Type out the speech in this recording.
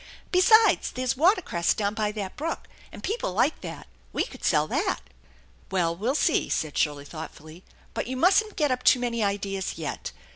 Besides, there's watercress down by that brook, and people like that. We could sell that." "Well, we'll see," said Shirley thoughtfully, but you mustn't get up toe many ideas yet.